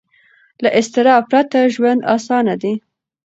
له اضطراب پرته ژوند اسانه دی.